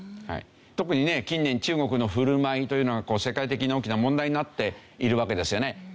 特にね近年中国の振る舞いというのが世界的に大きな問題になっているわけですよね。